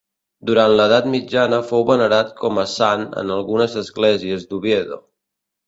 Durant l'Edat mitjana fou venerat com a sant en algunes esglésies d'Oviedo.